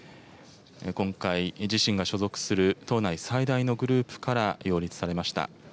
今回、自身が所属する党内最大のグループから擁立されました。